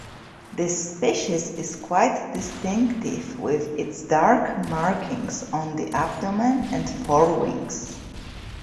This species is quite distinctive with its dark markings on the abdomen and forewings.